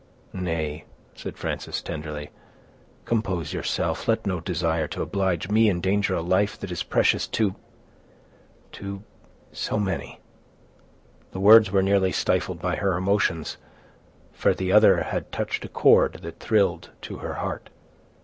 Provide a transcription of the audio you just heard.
"Nay," said Frances, tenderly, "compose yourself; let no desire to oblige me endanger a life that is precious to—to—so many." The words were nearly stifled by her emotions, for the other had touched a chord that thrilled to her heart.